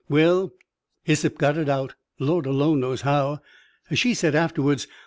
Well, Hyssop got it out Lord alone knows how, as she said afterwards.